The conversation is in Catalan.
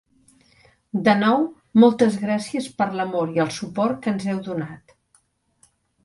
De nou, moltes gràcies per l'amor i el suport que ens heu donat.